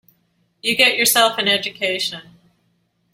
You get yourself an education.